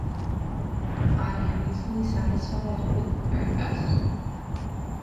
I am easily satisfied with the very best.